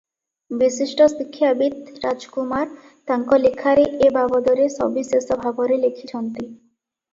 ବିଶିଷ୍ଟ ଶିକ୍ଷାବିତ୍ ରାଜ କୁମାର ତାଙ୍କ ଲେଖାରେ ଏ ବାବଦରେ ସବିଶେଷ ଭାବରେ ଲେଖିଛନ୍ତି ।